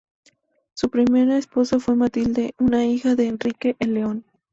Su primera esposa fue Matilde, una hija de Enrique el León.